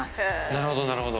なるほどなるほど。